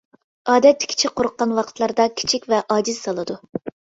ئادەتتىكىچە قورققان ۋاقىتلاردا كىچىك ۋە ئاجىز سالىدۇ.